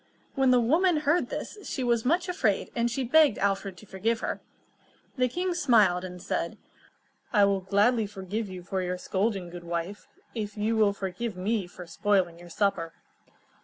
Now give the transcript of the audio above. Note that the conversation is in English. When the woman heard this, she was much afraid, and she begged Alfred to forgive her. The king smiled, and said: "I will gladly forgive you for your scolding, good wife, if you will forgive me for spoiling your supper."